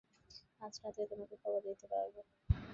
আজ রাত্রে তোমাকে খবর দিতে পারব।